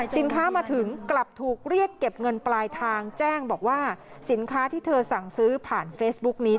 มาถึงกลับถูกเรียกเก็บเงินปลายทางแจ้งบอกว่าสินค้าที่เธอสั่งซื้อผ่านเฟซบุ๊กนี้